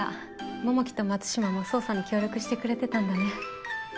桃木と松島も捜査に協力してくれてたんだね。